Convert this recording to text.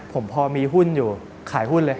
ผมพอมีหุ้นอยู่ขายหุ้นเลย